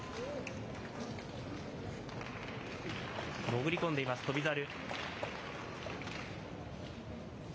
潜り込んでいます、翔猿。